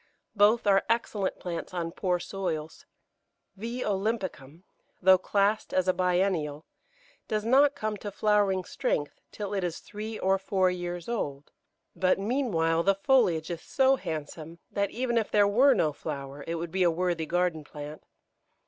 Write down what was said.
Both are excellent plants on poor soils. V. olympicum, though classed as a biennial, does not come to flowering strength till it is three or four years old; but meanwhile the foliage is so handsome that even if there were no flower it would be a worthy garden plant.